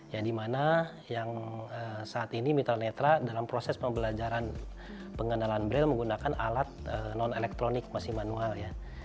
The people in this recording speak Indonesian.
yang dimana yang saat ini mitra netra dalam proses pembelajaran pengenalan braille menggunakan alat non elektronik masih manual ya